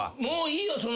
もういいよ